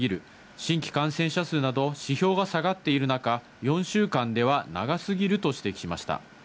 新規感染者数など指標が下がっている中、４週間では長すぎると指摘しました。